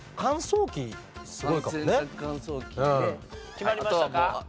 決まりましたか？